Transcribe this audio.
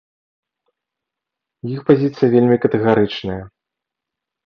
Іх пазіцыя вельмі катэгарычная.